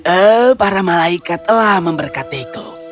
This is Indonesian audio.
oh para malaikatlah memberkatiku